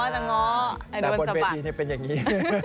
แต่บนเวทีนี่เป็นอย่างนี้